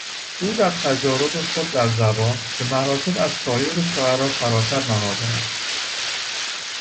او در تجارب خود در زبان، به مراتب از سایر شعرا فراتر نهاده است.